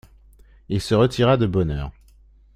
Il se retira de bonne heure.